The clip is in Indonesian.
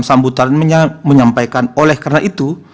sambutan menyampaikan oleh karena itu